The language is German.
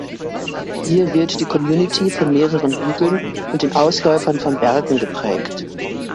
Hier wird die Community von mehreren Hügeln und den Ausläufern von Bergen geprägt.